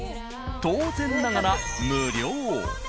当然ながら無料。